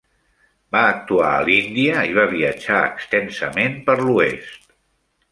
Va actuar a l'Índia i va viatjar extensament per l'oest.